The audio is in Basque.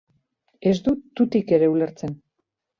Ez dut tutik ere ulertzen.